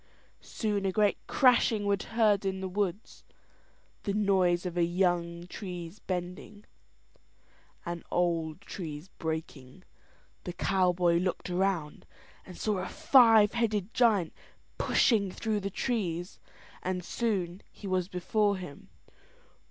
Soon a great crashing was heard in the woods, the noise of young trees bending, and old trees breaking. The cowboy looked around and saw a five headed giant pushing through the trees; and soon he was before him.